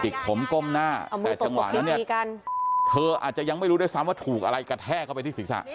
ใช่ติดผมก้มหน้าเอามือตกตกพริบีกันเธออาจจะยังไม่รู้ด้วยซ้ำว่าถูกอะไรกระแทกเข้าไปที่ศิษย์ศาสตร์